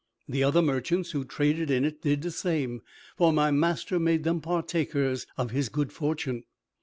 The other merchants who traded in it did the same, for my master made them partakers of his good fortune.